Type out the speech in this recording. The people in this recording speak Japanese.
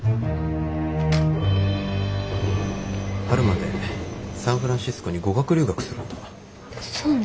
春までサンフランシスコに語学留学するんだ。